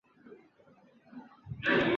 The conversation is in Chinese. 匈牙利安茄王朝自此结束。